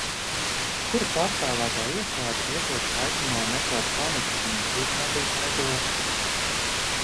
Kura pārstāvētā iestāde iepriekš aicināja necelt paniku un nedrūzmēties veikalos.